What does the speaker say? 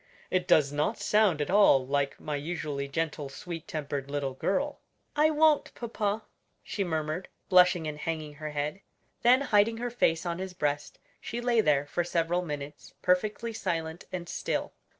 It does not sound at all like my usually gentle sweet tempered little girl." "I won't, papa," she murmured, blushing and hanging her head. Then hiding her face on his breast, she lay there for several minutes perfectly silent and still.